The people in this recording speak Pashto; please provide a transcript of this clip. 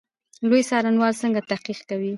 لوی څارنوالي څنګه تحقیق کوي؟